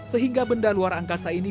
sehingga benda luar angkasa ini